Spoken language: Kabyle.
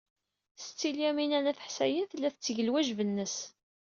Setti Lyamina n At Ḥsayen tella tetteg lwajeb-nnes.